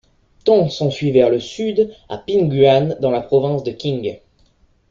Tan s’enfuit vers le sud à Pingyuan, dans la province de Qing.